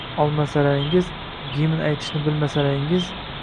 olmasalaringiz, gimn aytishni bilmasalaringiz...